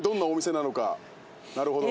なるほど。